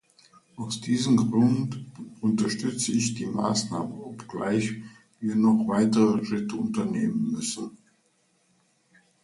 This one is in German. Aus diesem Grund unterstütze ich die Maßnahmen, obgleich wir noch weitere Schritte unternehmen müssen.